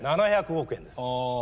７００億円です！はあ。